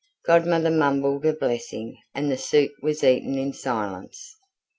Godmother mumbled a blessing; and the soup was eaten in silence.